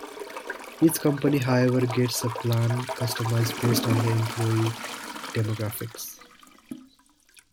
Each company however gets the plan customized based on the employee demographics.